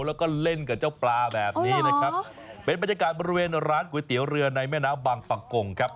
แล้วก็เล่นกับเจ้าปลาแบบนี้นะครับเป็นบรรยากาศบริเวณร้านก๋วยเตี๋ยวเรือในแม่น้ำบางปะกงครับ